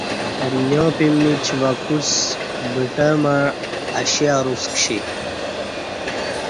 امنیاں پمیچ وعکوس بٹہ مع اشی ا رس کشی